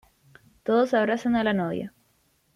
Todos abrazan a la novia.